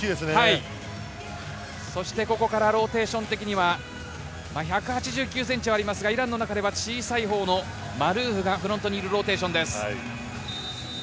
ここからローテーション的には１８９ｃｍはありますがイランの中では小さいほうのマルーフがフロントにいるローテーションです。